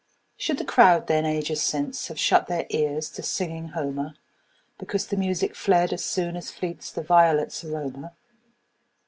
Should the crowd then, ages since, Have shut their ears to singing Homer, Because the music fled as soonAs fleets the violets' aroma?